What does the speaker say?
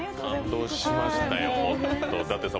感動しましたよ、ホント。